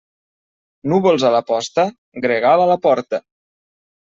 Núvols a la posta? Gregal a la porta.